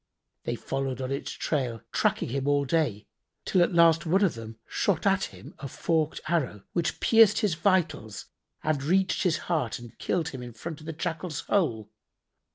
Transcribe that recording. They followed on his trail tracking him all day, till at last one of them shot at him a forked[FN#80] arrow, which pierced his vitals and reached his heart and killed him in front of the Jackal's hole.